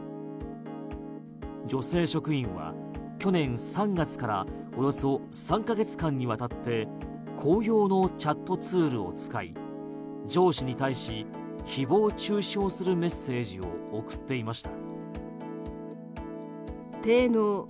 女性職員は去年３月からおよそ３ヶ月間にわたって公用のチャットツールを使い上司に対し誹謗・中傷するメッセージを送っていました。